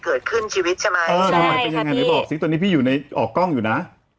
เกิดขึ้นชีวิตใช่ไหมใช่ค่ะพี่ตอนนี้พี่ออกกล้องอยู่น่ะ